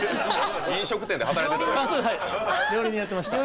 飲食店で働いてた。